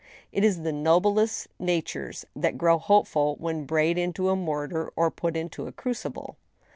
It is the noblest natures that grow hopeful when brayed in a mortar or put into a crucible.